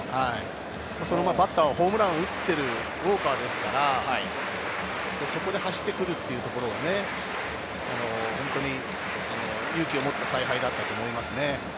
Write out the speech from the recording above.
バッターはホームランを打っているウォーカーですから、そこで走ってくるということでね、本当に勇気を持った采配だったと思います。